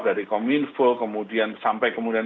dari kominfo kemudian sampai kemudian